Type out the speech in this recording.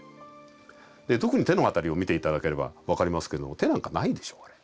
特に手の辺りを見て頂ければ分かりますけども手なんかないでしょうあれ。